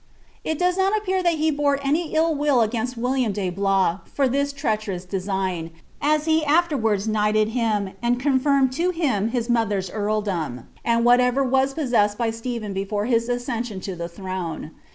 It does not appear that he bore any ill will against William de Blois for this treacherous design, as he aifVerwards knighted him, and con firmed to him hia mother's earldom, and whaterer was possessed by Stephen before his accession to the throne.